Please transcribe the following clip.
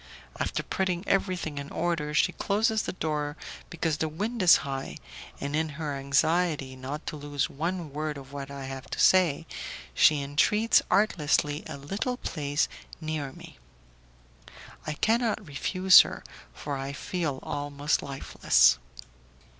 After putting everything in order, she closes the door because the wind is high, and in her anxiety not to lose one word of what I have to say, she entreats artlessly a little place near me. I cannot refuse her, for I feel almost lifeless.